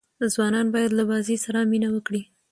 ځوانان باید له بازۍ سره مینه وکړي.